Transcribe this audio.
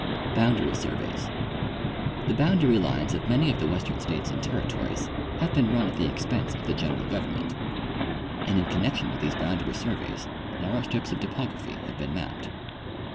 Boundary Surveys. — The boundary lines of many of the western states and territories have been run at the expense of the general government, and in connection with these boundary surveys narrow strips of topography have been mapped.